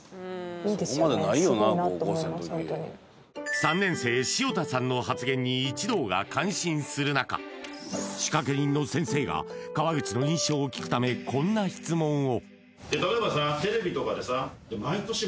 ３年生、塩田さんの発言に一同が感心する中仕掛け人の先生が川口の印象を聞くためこんな質問を。